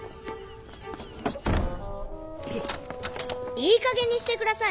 いいかげんにしてください